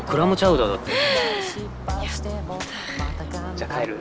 じゃあ帰る？